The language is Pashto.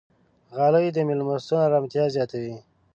غالۍ د میلمستون ارامتیا زیاتوي.